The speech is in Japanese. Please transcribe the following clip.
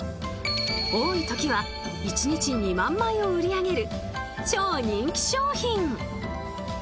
多い時は１日に２万枚を売り上げる超人気商品。